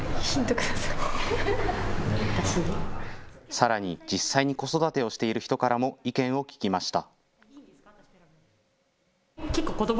さらに実際に子育てをしている人からも意見を聞きました。